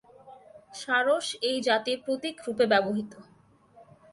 সারস এই জাতির প্রতীক রূপে ব্যবহৃত।